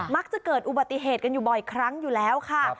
มักจะเกิดอุบัติเหตุกันอยู่บ่อยครั้งอยู่แล้วค่ะ